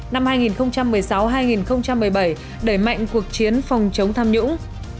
năm hai nghìn một mươi sáu hai nghìn một mươi bảy đẩy mạnh cuộc chiến phòng chống tham nhũng